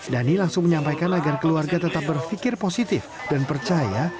dhani langsung menyampaikan agar keluarga tetap berpikir positif dan percaya